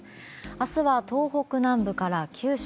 明日は東北南部から九州